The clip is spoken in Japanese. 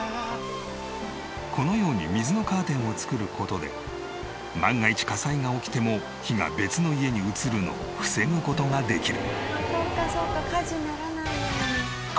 このように水のカーテンを作る事で万が一火災が起きても火が別の家に移るのを防ぐ事ができる。